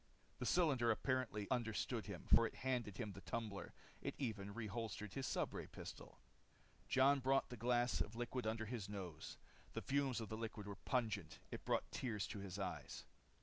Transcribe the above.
The cylinder apparently understood him, for it handed him the tumbler. It even reholstered his stubray pistol. Jon brought the glass of liquid under his nose. The fumes of the liquid were pungent. It brought tears to his eyes.